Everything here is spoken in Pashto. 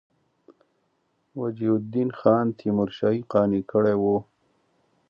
وجیه الدین خان تیمورشاه یې قانع کړی وو.